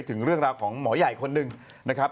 ถึงเรื่องราวของหมอใหญ่คนหนึ่งนะครับ